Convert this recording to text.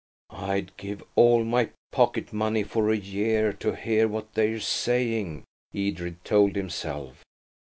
"I'd give all my pocket money for a year to hear what they're saying," Edred told himself.